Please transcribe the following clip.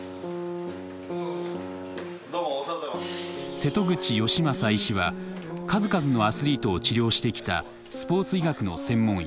瀬戸口芳正医師は数々のアスリートを治療してきたスポーツ医学の専門医。